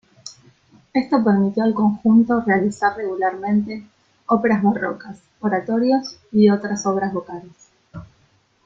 Esto permitió al conjunto realizar regularmente óperas barrocas, oratorios y otras obras vocales.